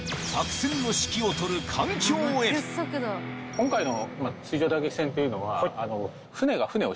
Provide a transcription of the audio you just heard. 今回の。